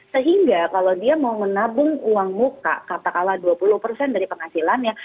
sehingga kalau dia mau menabung uang muka kata kata dua puluh dari penghasilannya